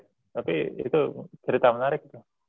tapi itu cerita menarik